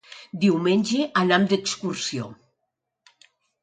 Diumenge anam d'excursió.